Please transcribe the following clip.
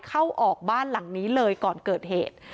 เข้าออกบ้านหลังนี้เลยก่อนเกิดเหตุ